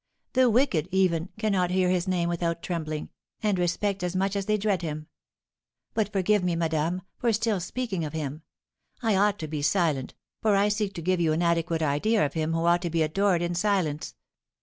The wicked, even, cannot hear his name without trembling, and respect as much as they dread him! But forgive me, madame, for still speaking of him. I ought to be silent, for I seek to give you an adequate idea of him who ought to be adored in silence.